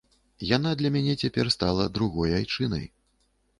Яна для мяне цяпер стала другой айчынай.